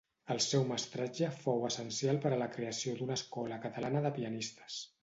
El seu mestratge fou essencial per a la creació d'una escola catalana de pianistes.